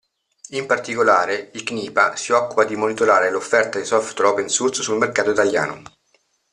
In particolare, il CNIPA si occupa di monitorare l'offerta di software open source sul mercato italiano.